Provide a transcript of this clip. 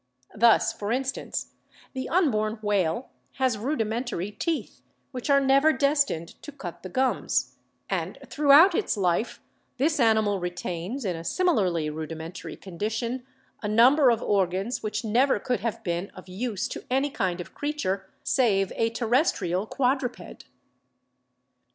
Thus, for instance, the unborn whale has rudimentary teeth, which are never destined to cut the gums; and throughout its life this animal retains, in a similarly rudimentary condition, a number of organs which never could have been of use to any kind of creature save a terrestrial quadruped.